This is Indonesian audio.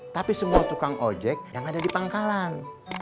tapi semua tukang ojek yang ada di pangkalan